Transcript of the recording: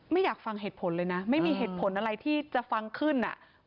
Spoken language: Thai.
ไม่อยากฟังเหตุผลเลยนะไม่มีเหตุผลอะไรที่จะฟังขึ้นอ่ะ